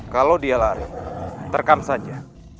kalau dia lari terekam saja